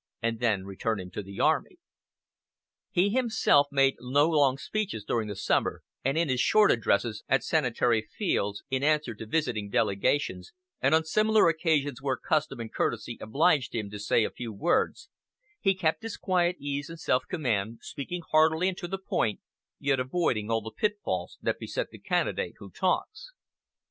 and then return him to the army." He himself made no long speeches during the summer, and in his short addresses, at Sanitary Fairs, in answer to visiting delegations, and on similar occasions where custom and courtesy obliged him to say a few words, he kept his quiet ease and self command, speaking heartily and to the point, yet avoiding all the pitfalls that beset the candidate who talks.